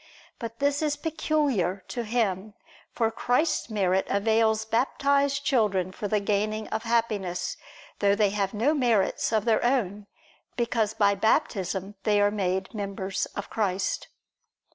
But this is peculiar to Him: for Christ's merit avails baptized children for the gaining of Happiness, though they have no merits of their own; because by Baptism they are made members of Christ.